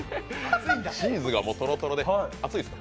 チーズがとろとろで熱いですか？